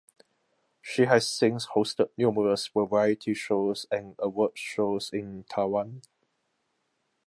She has since hosted numerous variety shows and award shows in Taiwan.